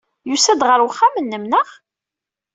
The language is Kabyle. Yusa-d ɣer uxxam-nnem, naɣ?